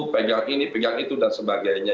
pegang ini pegang itu dan sebagainya